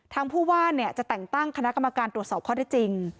ผู้ว่าจะแต่งตั้งคณะกรรมการตรวจสอบข้อได้จริง